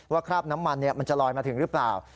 คราบน้ำมันมันจะลอยมาถึงหรือเปล่า